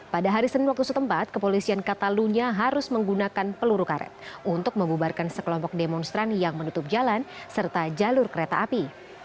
pada hari senin waktu setempat kepolisian katalunya harus menggunakan peluru karet untuk membubarkan sekelompok demonstran yang menutup jalan serta jalur kereta api